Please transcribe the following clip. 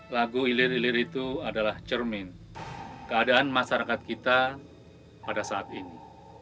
lagu ilir ilir itu adalah cermin keadaan masyarakat kita pada saat ini